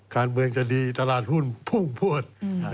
การเมืองจะดีตลาดหุ้นพุ่งพวด